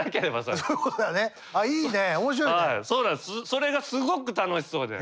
それがすごく楽しそうで。